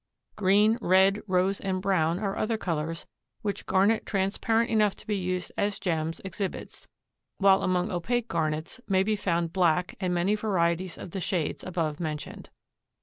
Green, red, rose and brown are other colors which garnet transparent enough to be used as gems exhibits, while among opaque garnets may be found black and many varieties of the shades above mentioned.